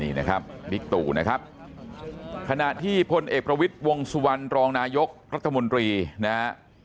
นี่นะครับบิ๊กตู่นะครับขณะที่พลเอกประวิทย์วงสุวรรณรองนายกรัฐมนตรีนะฮะ